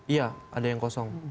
iya ada yang kosong